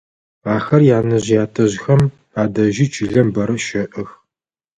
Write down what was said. Ахэр янэжъ-ятэжъхэм адэжьи чылэм бэрэ щэӏэх.